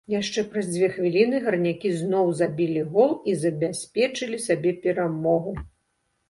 Яшчэ праз дзве хвіліны гарнякі зноў забілі гол і забяспечылі сабе перамогу.